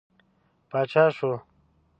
پاچا شو.